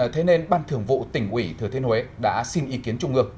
thế nên ban thường vụ tỉnh ủy thừa thiên huế đã xin ý kiến chung ngược